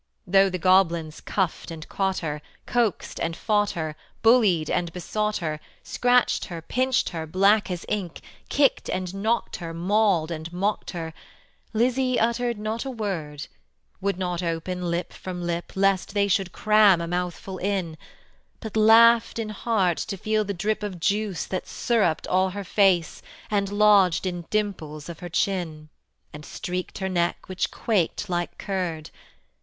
Though the goblins cuffed and caught her, Coaxed and fought her, Bullied and besought her, Scratched her, pinched her black as ink, Kicked and knocked her, Mauled and mocked her, Lizzie uttered not a word; Would not open lip from lip Lest they should cram a mouthful in; But laughed in heart to feel the drip Of juice that syrupped all her face, And lodged in dimples of her chin, And streaked her neck which quaked like curd.